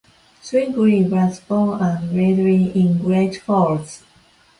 Swingley was born and raised in Great Falls.